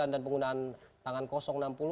dan penggunaan tangan kosong enam puluh